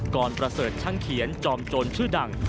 ประเสริฐช่างเขียนจอมโจรชื่อดัง